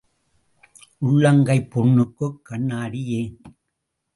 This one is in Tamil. உள்ளங் கைப் புண்ணுக்குக் கண்ணாடி ஏன்?